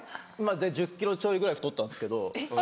１０ｋｇちょいぐらい太ったんですけど。